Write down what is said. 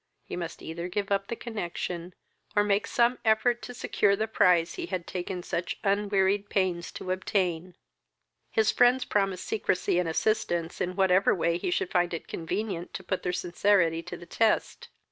He must either give up the connexion, or make some effort to secure the prize he had taken such unwearied pains to obtain. His friends promised secresy and assistance in whatever way he should find it convenient to put their sincerity to the test.